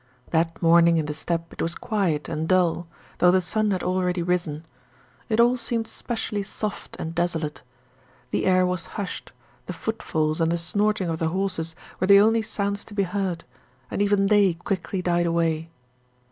That morning in the steppe it was quiet and dull, though the sun had already risen. It all seemed specially soft and desolate. The air was hushed, the footfalls and the snorting of the horses were the only sounds to be heard, and even they quickly died away.